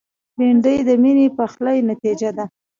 بېنډۍ د میني پخلي نتیجه ده